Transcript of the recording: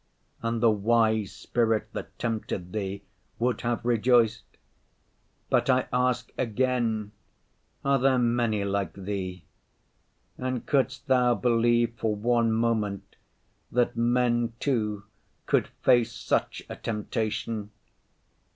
And the wise spirit that tempted Thee would have rejoiced. But I ask again, are there many like Thee? And couldst Thou believe for one moment that men, too, could face such a temptation?